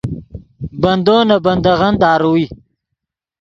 بندو نے بندغّن داروئے